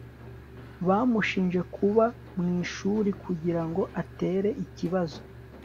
bamushinje kuba mu ishuri kugira ngo atere ibibazo